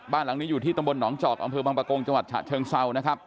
บ้านตรงนี้อยู่ที่ตมหนองจ็อกอำเภอบังปะโกงจังหวัดฉะเชิงเซา